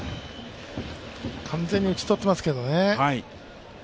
完全に打ち取ってますけどね。